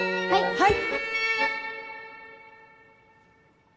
はい！